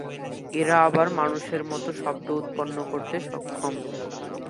এরা আবার মানুষের মত শব্দ উৎপন্ন করতে সক্ষম।